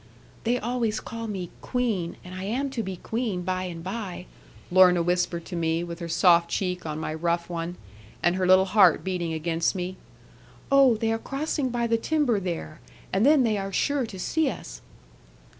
'They always call me "queen," and I am to be queen by and by,' Lorna whispered to me, with her soft cheek on my rough one, and her little heart beating against me: 'oh, they are crossing by the timber there, and then they are sure to see us.'